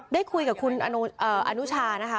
ได้คุยกับคุณอนุชานะคะ